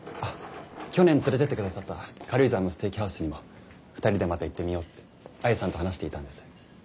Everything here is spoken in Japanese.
去年連れてってくださった軽井沢のステーキハウスにも２人でまた行ってみようって愛さんと話していたんです。